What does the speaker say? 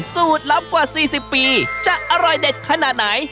สูตรลับกว่า๔๐ปีจะอร่อยเด็ดขนาดไหน